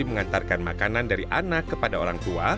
cana triata ini dijuluki